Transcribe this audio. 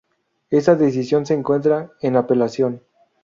Esa decisión se encuentra en apelación.